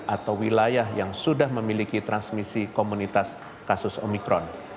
atau wilayah yang sudah memiliki transmisi komunitas kasus omikron